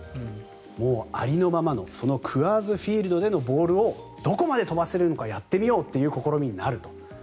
もうありのままのそのクアーズ・フィールドでのボールをどこまで飛ばせるのかやってみようという試みになると。